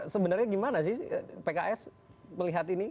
sebenarnya gimana sih pks melihat ini